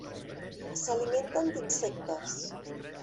S'alimenten d'insectes.